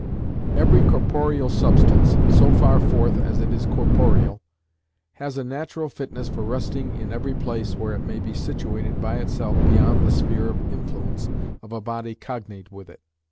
"Every corporeal substance, so far forth as it is corporeal, has a natural fitness for resting in every place where it may be situated by itself beyond the sphere of influence of a body cognate with it.